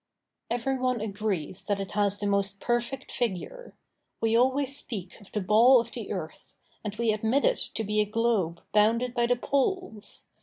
Every one agrees that it has the most perfect figure. We always speak of the ball of the earth, and we admit it to be a globe bounded by the poles.